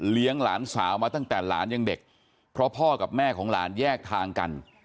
หลานสาวมาตั้งแต่หลานยังเด็กเพราะพ่อกับแม่ของหลานแยกทางกัน